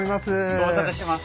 ご無沙汰してます。